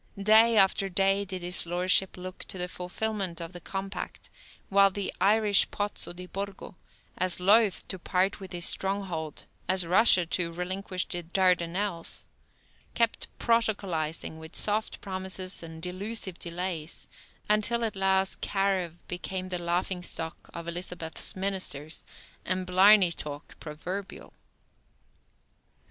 Day after day did his lordship look for the fulfillment of the compact, while the Irish Pozzo di Borgo, as loath to part with his stronghold as Russia to relinquish the Dardanelles, kept protocolizing with soft promises and delusive delays, until at last Carew became the laughing stock of Elizabeth's ministers, and "Blarney talk" proverbial.